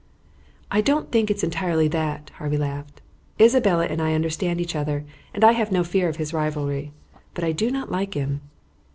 "I don't think it is entirely that," Harvey laughed. "Isabella and I understand each other, and I have no fear of his rivalry; but I do not like him."